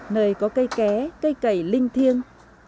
nơi có cây ké cây cẩy linh thiêng